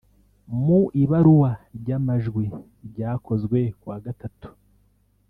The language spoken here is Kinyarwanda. Mu ibaruwa ry’amajwi ryakozwe ku wa Gatatu